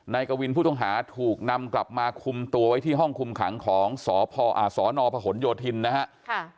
กวินผู้ต้องหาถูกนำกลับมาคุมตัวไว้ที่ห้องคุมขังของสนพหนโยธินนะฮะ